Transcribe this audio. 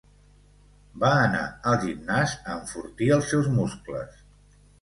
Va anar al gimnàs a enfortir els seus muscles.